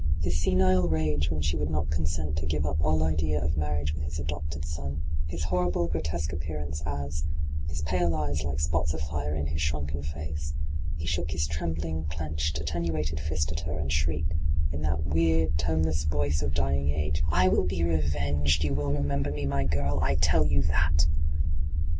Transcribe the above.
His senile rage when she would not consent to give up all idea of marriage with his adopted son ; his horrible, grotesque appearance as — his pale eyes Uke spots of fire in his shrunken face — he shook his trembling, clenched, attenuated fist at her, and shrieked, in that weird, toneless voice of dying age :' I will be revenged ; you will remember me, my girl, I tell you that